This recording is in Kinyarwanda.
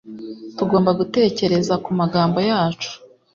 tugomba gutekereza ku magambo yacu